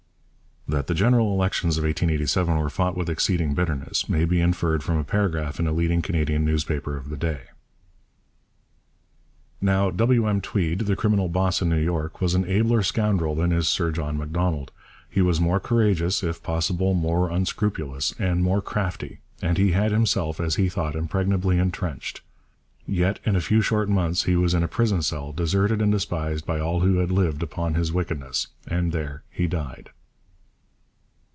That the general elections of 1887 were fought with exceeding bitterness may be inferred from a paragraph in a leading Canadian newspaper of the day: Now W. M. Tweed [the criminal 'boss' in New York] was an abler scoundrel than is Sir John Macdonald. He was more courageous, if possible more unscrupulous, and more crafty, and he had himself, as he thought, impregnably entrenched. Yet in a few short months he was in a prison cell deserted and despised by all who had lived upon his wickedness and there he died.